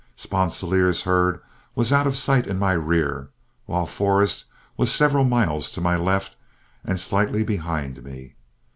Sponsilier's herd was out of sight in my rear, while Forrest was several miles to my left, and slightly behind me.